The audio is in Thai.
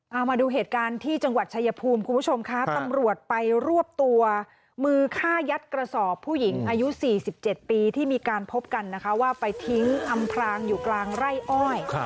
เอามาดูเหตุการณ์ที่จังหวัดชายภูมิคุณผู้ชมค่ะตำรวจไปรวบตัวมือฆ่ายัดกระสอบผู้หญิงอายุ๔๗ปีที่มีการพบกันนะคะว่าไปทิ้งอำพรางอยู่กลางไร่อ้อย